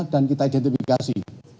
dan kita identifikasi